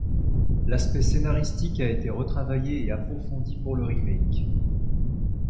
L'aspect scénaristique a été retravaillé et approfondi pour le remake.